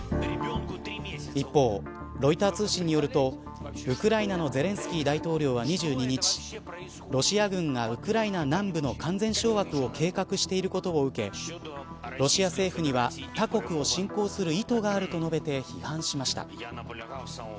一方、ロイター通信によるとウクライナのゼレンスキー大統領は、２２日ロシア軍がウクライナ南部の完全掌握を計画していることを受けロシア政府には、他国を侵攻する意図があると述べて批判しました。